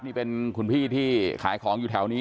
มีเป็นโขลที่ในที่ขายครองอยู่แถวนี้